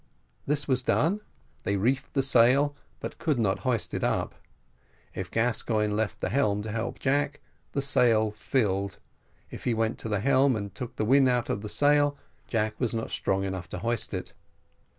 This was done; they reefed the sail, but could not hoist it up: if Gascoigne left the helm to help Jack, the sail filled; if he went to the helm and took the wind out of the sail, Jack was not strong enough to hoist it.